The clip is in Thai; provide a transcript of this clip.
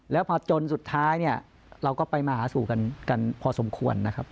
แล้วพอจนสุดท้ายเนี่ยเราก็ไปมาหาสู่กันพอสมควรนะครับ